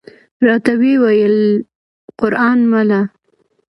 راته وې ویل: قران مله!